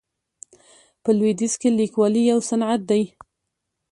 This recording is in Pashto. په لویدیځ کې لیکوالي یو صنعت دی.